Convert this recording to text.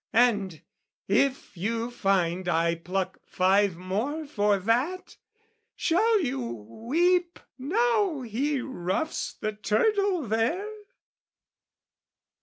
And, if you find I pluck five more for that, Shall you weep "Now he roughs the turtle there?"